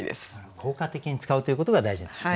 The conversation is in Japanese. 効果的に使うということが大事なんですね。